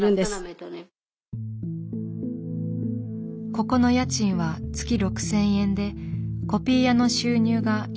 ここの家賃は月６，０００円でコピー屋の収入が１万４，０００円ほど。